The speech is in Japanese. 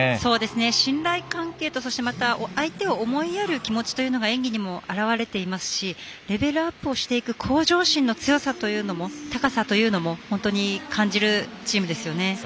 信頼関係とそして、また相手を思いやる気持ちというのが演技にも表れていますしレベルアップをしていく向上心の強さ、高さというのも本当に感じるチームですよね。